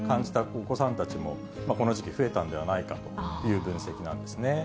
お子さんたちも、この時期、増えたんではないかという分析なんですね。